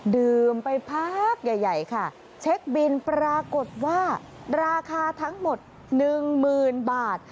ดื่มไปพักใหญ่ค่ะเช็คบินปรากฏว่าราคาทั้งหมด๑๐๐๐บาท